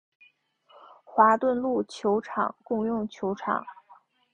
华顿路球场共用球场。